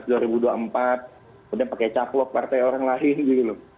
kemudian pakai caplok partai orang lain gitu loh